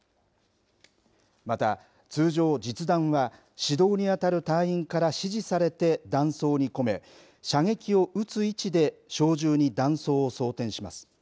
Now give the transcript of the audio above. また通常、実弾は指導に当たる隊員から指示されて弾倉に込め、射撃を撃つ位置で小銃に弾倉を装てんします。